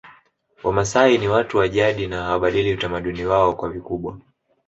Wamasai ni watu wa jadi na hawabadili utamaduni wao kwa vikubwa